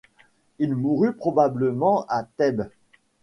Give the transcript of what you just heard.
Il mourut probablement à Thèbes.